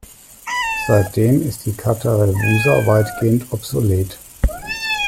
Seitdem ist die Katharevousa weitgehend obsolet.